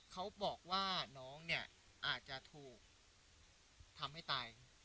เขาบอกว่าน้องเนี่ยอาจจะถูกทำให้ตาย